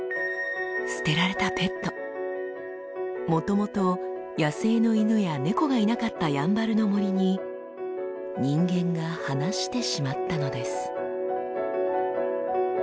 もともと野生の犬や猫がいなかったやんばるの森に人間が放してしまったのです。